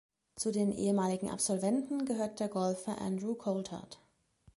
Zu den ehemaligen Absolventen gehört der Golfer Andrew Coltart.